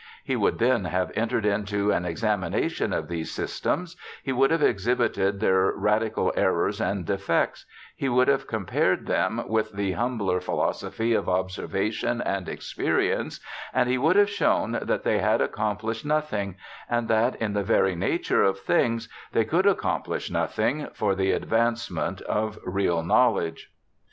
He would then have entered into an examination of these systems ; he would have exhibited their radical errors and defects — he would have compared them with the humbler philosophy of observation and experience, and he would have shown that they had accomplished nothing, and that in the very nature of things they could accomplish nothing, for the advancement of real knowledge.